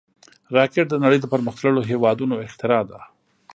راکټ د نړۍ د پرمختللو هېوادونو اختراع ده